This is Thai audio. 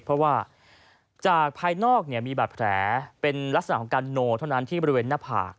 เพราะว่าจากภายนอกมีบาดแผลเป็นลักษณะของการโนเท่านั้นที่บริเวณหน้าผาก